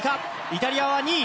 イタリアが２位。